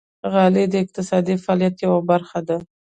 غالۍ د اقتصادي فعالیت یوه برخه ده.